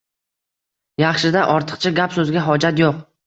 Yaxshi-da, ortiqcha gap so`zga hojat yo`q